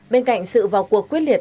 bên cạnh sự vào cuộc quyết định